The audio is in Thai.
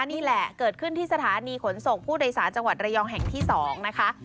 นี่แหละเกิดขึ้นที่สถานีขนส่งผู้โดยสารจังหวัดระยองแห่งที่๒นะคะ